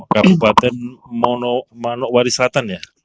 kabupaten manokwari selatan ya